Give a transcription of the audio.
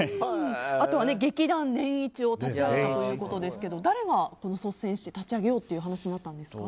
あとは劇団年一を立ち上げたということですが誰が率先して立ち上げようという話になったんですか？